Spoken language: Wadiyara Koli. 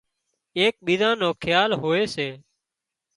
ايڪ ٻيزان نو کيال هوئي سي